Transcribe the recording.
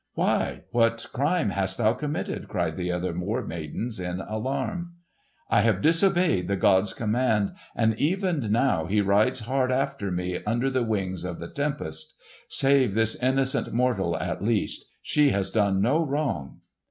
"Why, what crime hast thou committed?" cried the other War Maidens in alarm. "I have disobeyed the god's command, and even now he rides hard after me upon the wings of the tempest! Save this innocent mortal, at least! She has done no wrong."